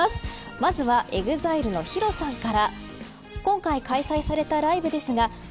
まずはＥＸＩＬＥのＨＩＲＯさんから。